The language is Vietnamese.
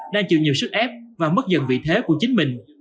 đang chịu nhiều sức ép và mất dần vị thế của chính mình